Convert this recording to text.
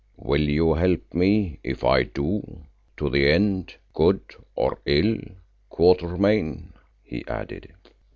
"Will you help me if I do, to the end, good or ill, Quatermain?" he added.